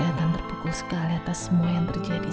el kelihatan terpukul sekali atas semua yang terjadi sama rifqi